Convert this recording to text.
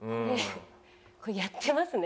これこれやってますね。